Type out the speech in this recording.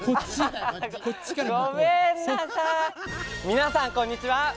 みなさんこんにちは。